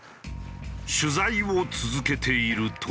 取材を続けていると。